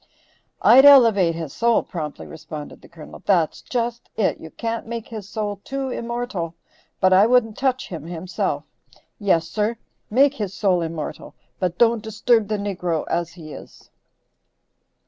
"I'd elevate his soul," promptly responded the Colonel; "that's just it; you can't make his soul too immortal, but I wouldn't touch him, himself. Yes, sir! make his soul immortal, but don't disturb the niggro as he is."